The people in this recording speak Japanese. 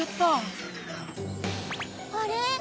あれ？